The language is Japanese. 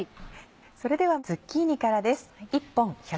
それではズッキーニからです。